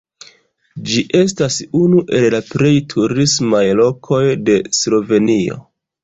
Ĝi estas unu el la plej turismaj lokoj de Slovenio.